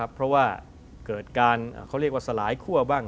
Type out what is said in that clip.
เพราะว่าเกิดการเขาเรียกว่าสลายคั่วบ้าง